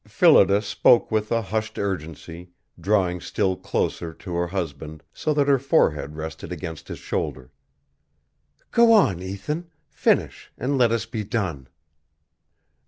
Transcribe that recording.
Phillida spoke with a hushed urgency, drawing still closer to her husband, so that her forehead rested against his shoulder. "Go on, Ethan. Finish and let us be done."